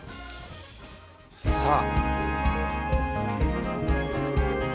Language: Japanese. さあ。